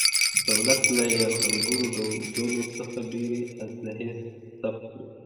دولت له یرغلګرو ډولو څخه ډېرې اصلحې ضبط کړلې.